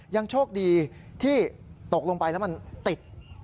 ยังโชคดีที่ตกลงไปแล้วมันติด